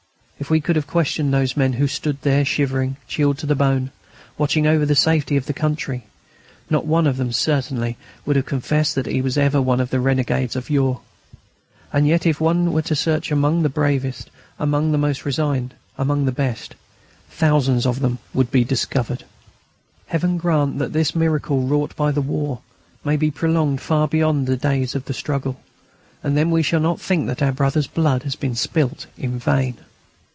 If we could have questioned those men who stood there shivering, chilled to the bone, watching over the safety of the country, not one of them, certainly, would have confessed that he was ever one of the renegades of yore. And yet if one were to search among the bravest, among the most resigned, among the best, thousands of them would be discovered. Heaven grant that this miracle, wrought by the war, may be prolonged far beyond the days of the struggle, and then we shall not think that our brothers' blood has been spilt in vain.